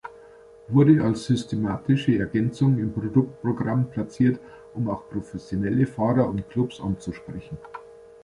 Wurde als systematische Ergänzung im Produktprogramm platziert, um auch professionelle Fahrer und Clubs anzusprechen.